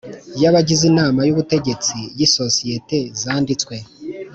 y abagize Inama y Ubutegetsi y isosiyete zanditswe